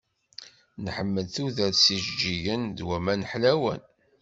Nḥemmel tudert s yijeǧǧigen, d waman ḥlawen.